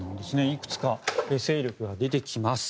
いくつか勢力が出てきます。